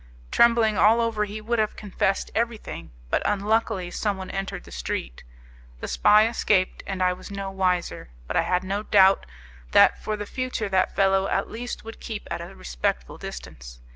Trembling all over he would have confessed everything, but unluckily someone entered the street. The spy escaped and I was no wiser, but I had no doubt that for the future that fellow at least would keep at a respectful distance.